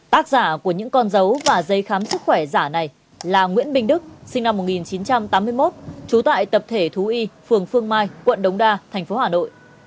tác giả của những con dấu và dây khám sức khỏe giả này là nguyễn minh đức sinh năm một nghìn chín trăm tám mươi một trú tại tập thể thú y phường phương mai quận đống đa thành phố hà nội